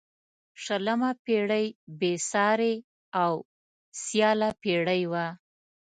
شلمه پيړۍ بې سیارې او سیاله پيړۍ وه.